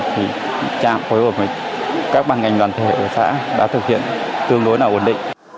thì trạm với các ban ngành đoàn thể của xã đã thực hiện tương đối là ổn định